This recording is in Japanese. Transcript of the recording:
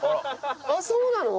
あっそうなの？